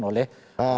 yang keempat adalah